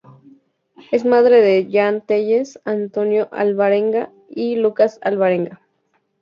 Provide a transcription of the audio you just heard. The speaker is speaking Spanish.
Es madre de Yan Telles, Antônio Alvarenga y Lucas Alvarenga.